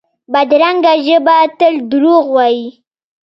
بدرنګه ژبه تل دروغ وايي